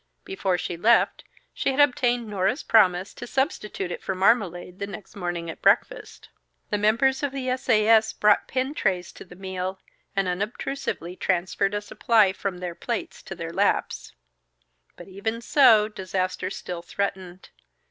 Before she left, she had obtained Nora's promise to substitute it for marmalade the next morning at breakfast. The members of the S. A. S. brought pin trays to the meal, and unobtrusively transferred a supply from their plates to their laps. But even so, disaster still threatened.